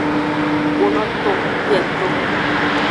Kponoton bieton.